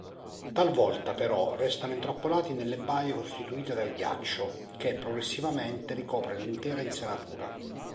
Talvolta, però, restano intrappolati nelle baie costituite dal ghiaccio che progressivamente ricopre l'intera insenatura.